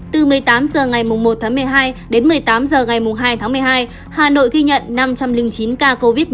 từ một mươi tám h ngày một tháng một mươi hai đến một mươi tám h ngày hai tháng một mươi hai hà nội ghi nhận năm trăm linh chín ca covid một mươi chín